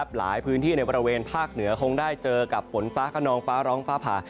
หลายพื้นที่ในบริเวณภาคเหนือคงได้เจอกับฝนฟ้าขนองฟ้าร้องฟ้าผ่า